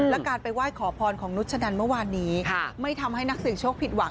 และการไปไหว้ขอพรของนุชนันเมื่อวานนี้ไม่ทำให้นักเสียงโชคผิดหวัง